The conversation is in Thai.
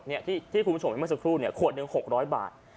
เนี่ยที่คุณผู้ชมเห็นเมื่อสักครู่เนี่ยขวดหนึ่ง๖๐๐บาท